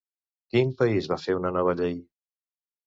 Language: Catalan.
Quin país va fer una nova llei?